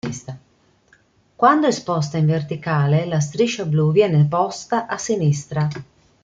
Quando esposta in verticale, la striscia blu viene posta a sinistra.